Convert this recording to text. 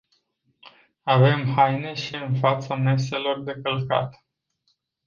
Avem haine și în fața meselor de călcat.